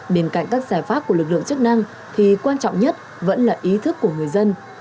bên cạnh các giải pháp của lực lượng chức năng thì quan trọng nhất vẫn là ý thức của người dân